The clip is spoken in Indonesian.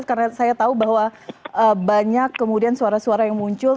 karena saya tahu bahwa banyak kemudian suara suara yang muncul